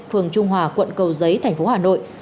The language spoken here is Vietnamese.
phường trung hòa quận cầu giấy tp hà nội